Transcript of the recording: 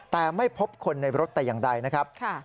แต่ไม่พบคนในรถแต่อย่างใดนะครับ